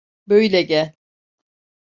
Böyle gel.